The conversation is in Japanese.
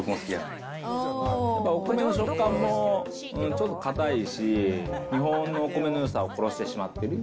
お米の食感もちょっと固いし、日本のお米のよさを殺してしまってる。